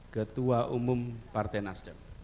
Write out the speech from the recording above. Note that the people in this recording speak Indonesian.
ketua umum partai nasdem